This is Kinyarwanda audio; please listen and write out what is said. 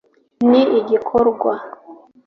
ni igikorwa